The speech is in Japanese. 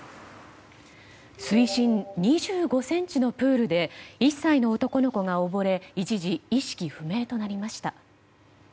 水深２５ｃｍのプールで１歳の男の子が溺れ一時、意識不明となりました。